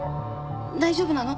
大丈夫なの？